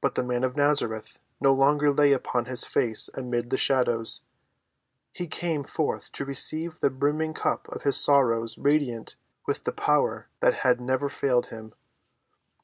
But the Man of Nazareth no longer lay upon his face amid the shadows. He came forth to receive the brimming cup of his sorrows radiant with the power that had never failed him.